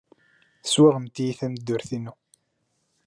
Teswaɣemt-iyi tameddurt-inu!